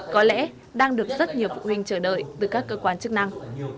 có lẽ đang được rất nhiều phụ huynh chờ đợi từ các cơ quan chức năng